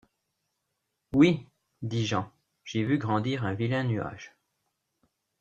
Oui, dit Jean, j’ai vu grandir un vilain nuage.